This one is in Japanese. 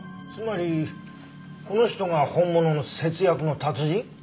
つまりこの人が本物の節約の達人？